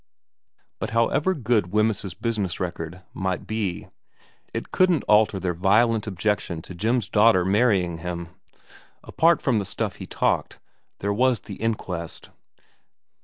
But however good Wemyss's business record might be, it couldn't alter their violent objection to Jim's daughter marrying him. Apart from the stuff he talked, there was the inquest.